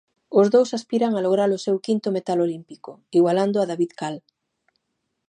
Os dous aspiran a lograr o seu quinto metal olímpico, igualando a David Cal.